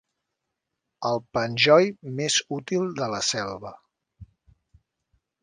El penjoll més útil de la selva.